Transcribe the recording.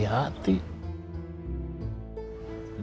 dia itu bakal bikin perhitungan tuh